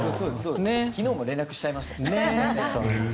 昨日も連絡しちゃいましたしね。